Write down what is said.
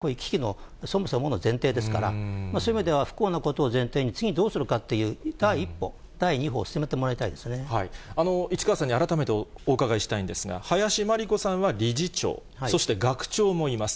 だから、次にどうするかを考えるのが、こういう危機のそもそもの前提ですから、そういう意味では、不幸なことを前提に、次にどうするかという第一歩、市川さんに改めてお伺いしたいんですが、林真理子さんは理事長、そして学長もいます。